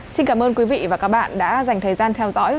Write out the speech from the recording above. xin cảm ơn quý vị và các bạn đã dành thời gian theo dõi